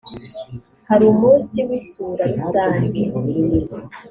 hari umunsi w’isura rusange